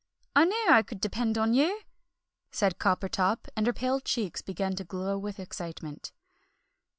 I knew I could depend on you!" said Coppertop, and her pale cheeks began to glow with excitement.